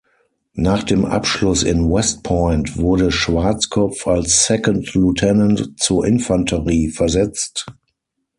Nach dem Abschluss in West Point wurde Schwarzkopf als Second Lieutenant zur Infanterie versetzt.